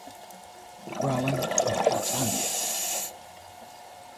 Rallo of Catania.